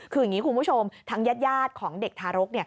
คืออย่างนี้คุณผู้ชมทางญาติของเด็กทารก